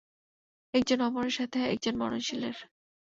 একজন অমরের সাথে একজন মরণশীলের।